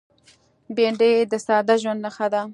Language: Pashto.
بېنډۍ د ساده ژوند نښه ده